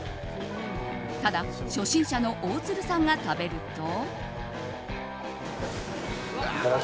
ただ、初心者の大鶴さんが食べると。